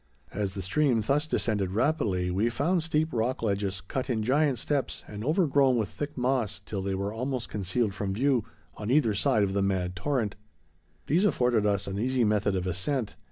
As the stream thus descended rapidly, we found steep rock ledges, cut in giant steps and overgrown with thick moss till they were almost concealed from view, on either side of the mad torrent. These afforded us an easy method of ascent.